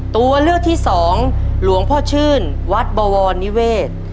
ตัวเลือกที่สองหลวงพ่อชื่นวัดบวรนิเวศ